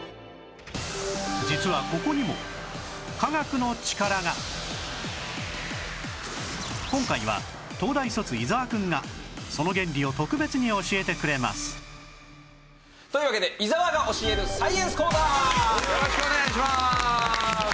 実はここにも今回は東大卒伊沢くんがその原理を特別に教えてくれますというわけで伊沢が教えるサイエンス講座！よろしくお願いしまーす。